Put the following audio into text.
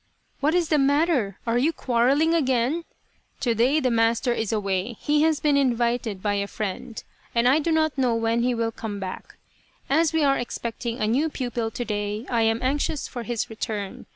" What is the matter ? Are you quarrelling again ? To day the master is away. He has been invited by a friend, and I do not know when he will come back. As we are expecting a new pupil to day I am anxious for his return.